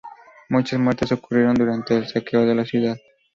Muchas muertes ocurrieron durante el saqueo de la ciudad.